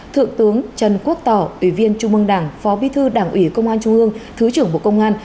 thượng tướng trần quốc tỏ ủy viên trung mương đảng phó bí thư đảng ủy công an trung ương thứ trưởng bộ công an